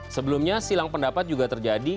sebelumnya silang pendapat juga terjadi